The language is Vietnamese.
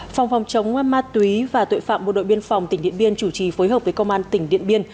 phòng phòng chống ma túy và tội phạm bộ đội biên phòng tỉnh điện biên chủ trì phối hợp với công an tỉnh điện biên